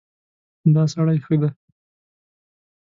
دا سړی ښه دی.